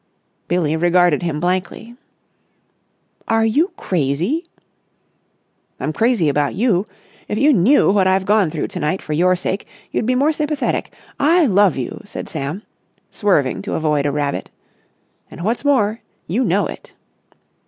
Billie regarded him blankly. "Are you crazy?" "I'm crazy about you. If you knew what I've gone through to night for your sake you'd be more sympathetic. I love you," said Sam, swerving to avoid a rabbit. "And what's more, you know it."